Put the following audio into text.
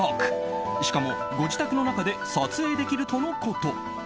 しかもご自宅の中で撮影できるとのこと。